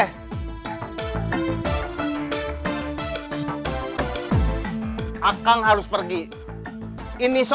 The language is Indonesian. kalau kamu berani saya tunggu kamu di pasar